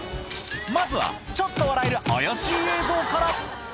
まずは、ちょっと笑える怪しい映像から。